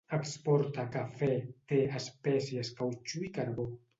Exporta cafè, te, espècies, cautxú i carbó.